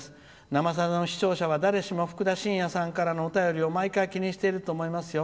「生さだ」の視聴者は誰しもふくだしんやさんからのおハガキを毎回気にしていると思いますよ。